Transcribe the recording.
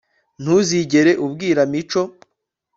ntuzigere ubibwira mico